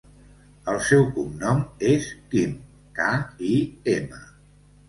El seu cognom és Kim: ca, i, ema.